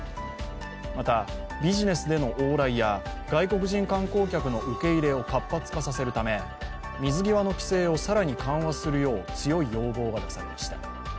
また、ビジネスでの往来や外国人観光客の受け入れを活発化させるため、水際の規制を更に緩和するよう強い要望が出されました。